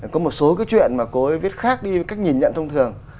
có một số cái chuyện mà cô ấy viết khác đi cách nhìn nhận thông thường